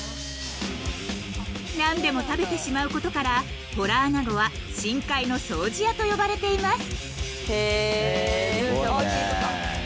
［何でも食べてしまうことからホラアナゴは深海の掃除屋と呼ばれています］